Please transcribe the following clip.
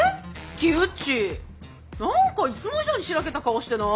キウッチ何かいつも以上に白けた顔してない？